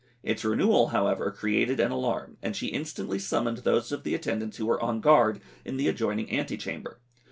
Its renewal, however, created an alarm, and she instantly summoned those of the attendants who were on guard in the adjoining ante chamber.